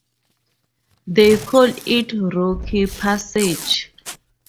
They called it "Rocky Passage".